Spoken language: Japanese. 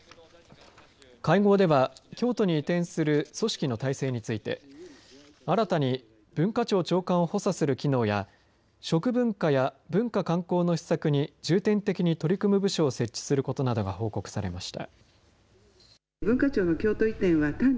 会合では京都に移転する組織の体制について新たに文化庁長官を補佐する機能や食文化や文化、観光の施策に重点的に取り組む部署を設置することなどが報告されました。